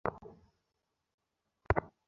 একবার ঘুরে আসো।